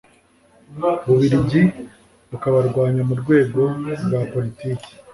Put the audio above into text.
bubirigi bukabarwanya mu rwego rwa poritiki